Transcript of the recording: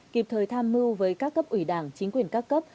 kịp thời tham mưu với các cấp ủy đảng chính quyền các cấp